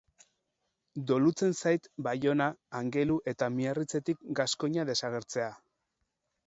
Dolutzen zait Baiona, Angelu eta Miarritzetik gaskoina desagertzea.